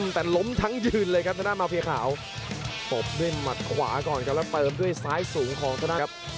แต่ล้มทั้งยืนเลยครับทางด้านมาเพียขาวตบด้วยหมัดขวาก่อนครับแล้วเติมด้วยซ้ายสูงของทางด้านครับ